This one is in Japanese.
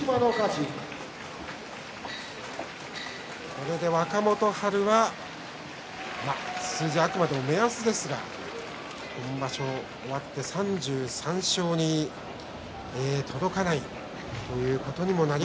これで若元春は数字はあくまでも目安ですが今場所、終わって３３勝に届きません。